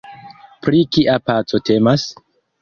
Pri kia paco temas?